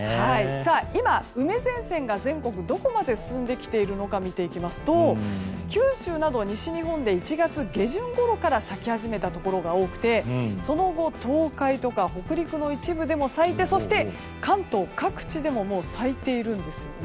今、梅前線が全国どこまで進んできているのか見ていきますと九州など西日本で１月下旬ごろから咲き始めたところが多くてその後、東海とか北陸の一部でも咲いてそして関東各地でももう咲いているんです。